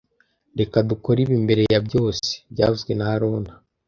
Reka dukore ibi mbere ya byose byavuzwe na haruna